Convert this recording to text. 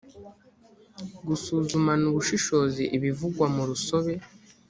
gusuzumana ubushishozi ibivugwa mu rusobe